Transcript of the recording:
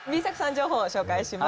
情報を紹介します。